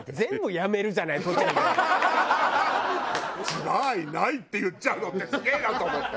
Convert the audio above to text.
「千葉愛ない」って言っちゃうのってすげえなと思って。